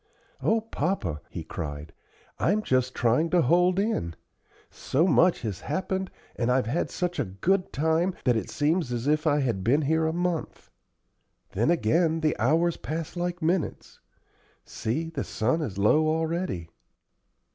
"O papa!" he cried, "I'm just trying to hold in. So much has happened, and I've had such a good time, that it seems as if I had been here a month; then again the hours pass like minutes. See, the sun is low already."